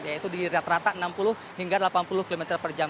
yaitu di rata rata enam puluh hingga delapan puluh km per jam